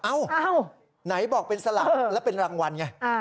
ไหนบอกเป็นสลากแล้วเป็นรางวัลไง